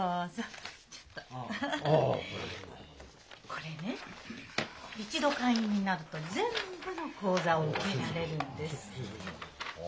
これね一度会員になると全部の講座を受けられるんですって。